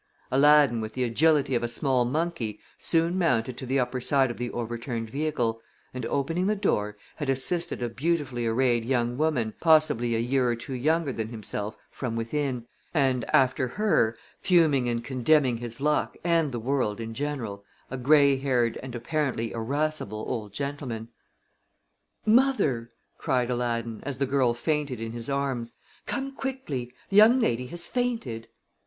Aladdin, with the agility of a small monkey, soon mounted to the upper side of the overturned vehicle, and, opening the door, had assisted a beautifully arrayed young woman, possibly a year or two younger than himself, from within, and after her, fuming and condemning his luck and the world in general, a gray haired and apparently irascible old gentleman. "Mother!" cried Aladdin, as the girl fainted in his arms, "come quickly. The young lady has fainted."